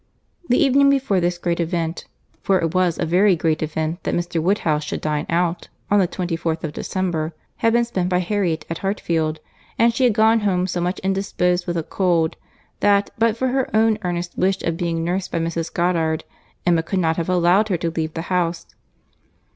The evening before this great event (for it was a very great event that Mr. Woodhouse should dine out, on the 24th of December) had been spent by Harriet at Hartfield, and she had gone home so much indisposed with a cold, that, but for her own earnest wish of being nursed by Mrs. Goddard, Emma could not have allowed her to leave the house.